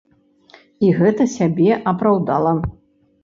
І гэта сябе апраўдала.